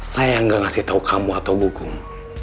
saya yang gak ngasih tau kamu atau gugung